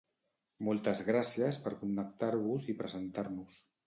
Moltes gràcies per connectar-vos i presentar-nos!